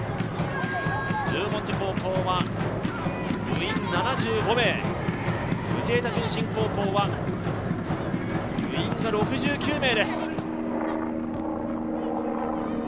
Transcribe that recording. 十文字高校は部員７５名、藤枝順心高校は部員が６９名です。